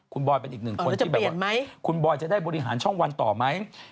คุณบอยเป็นอีกหนึ่งคนที่แบบว่าคุณบอยจะได้บริหารช่องวันต่อไหม